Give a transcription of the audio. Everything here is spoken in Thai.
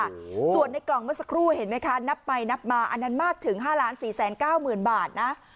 ส่วนในกล่องมัสกรูเห็นไหมคะนับไปนับมาอันนั้นมากถึง๕๔๙๐๐๐๐บาทนะ